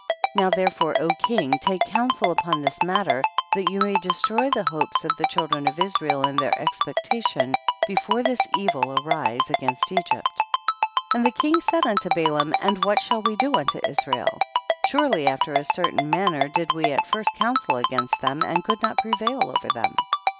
20. Now therefore O king, take counsel upon this matter, that you may destroy the hope of the children of Israel and their expectation, before this evil arise against Egypt. 21 . And the king said unto Balaam, and what shall we do unto Israel ? surely after a certain manner did we at first counsel against them and could not prevail over them.